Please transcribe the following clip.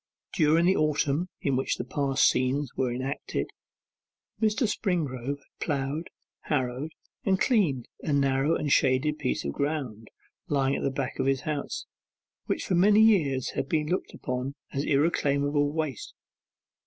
During the autumn in which the past scenes were enacted, Mr. Springrove had ploughed, harrowed, and cleaned a narrow and shaded piece of ground, lying at the back of his house, which for many years had been looked upon as irreclaimable waste.